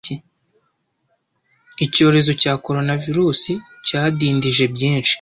Icyorezo cya koronavirusi cyadindije byinshi